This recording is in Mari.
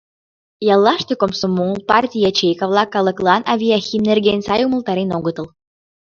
Яллаште комсомол, партий ячейка-влак калыклан авиахим нерген сай умылтарен огытыл.